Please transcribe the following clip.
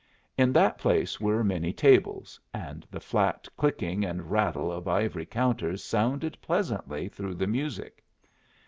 In that place were many tables, and the flat clicking and rattle of ivory counters sounded pleasantly through the music.